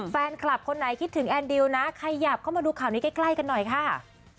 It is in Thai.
แฟนคลับคนไหนคิดถึงแอนดิวนะขยับเข้ามาดูข่าวนี้ใกล้กันหน่อยค่ะ